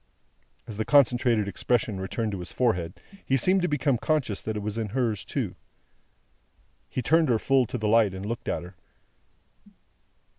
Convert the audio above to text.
As the concentrated expression returned to his forehead, he seemed to become conscious that it was in hers too. He turned her full to the light, and looked at her.